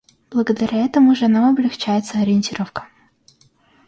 Благодаря этому же нам облегчается ориентировка.